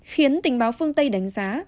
khiến tình báo phương tây đánh giá